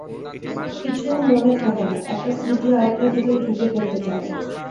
কিছু মনে থাকে না, একটা স্মৃতি আরেকটার ভেতরে ঢুকে পড়তে চায়।